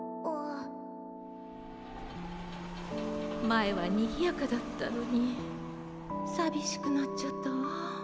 まえはにぎやかだったのにさびしくなっちゃったわ。